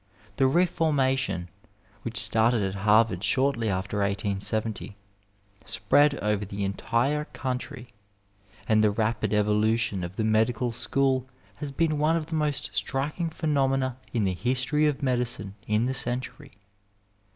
The reformation, which started at Harvard shortiy after 1870, spread over the entire country, and the rapid evolution of the medical school has been one of the most striking phenomena in the history of medicine in the century.